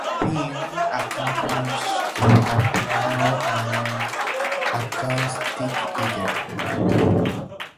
Finn accompanied on piano and acoustic guitar.